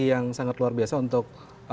yang sangat luar biasa untuk